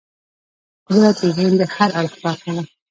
قدرت د ژوند د هر اړخ برخه ده.